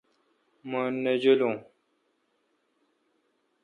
مہ نہ جولوں